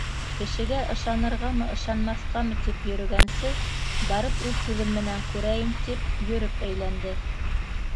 Кешегә ышанырғамы, ышанмаҫҡамы тип йөрөгәнсе, барып, үҙ күҙем менән күрәйем тип йөрөп әйләнде.